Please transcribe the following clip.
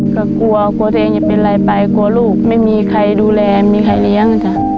ก็กลัวกลัวตัวเองจะเป็นอะไรไปกลัวลูกไม่มีใครดูแลไม่มีใครเลี้ยงจ้ะ